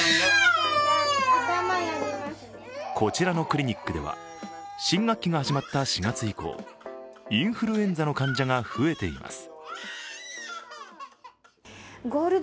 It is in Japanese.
こちらのクリニックでは新学期が始まった４月以降、インフルエンザの患者が増えています。